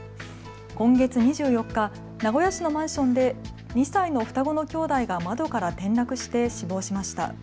今月２４日、名古屋市のマンションで２歳の双子の兄弟が窓から転落して死亡しました。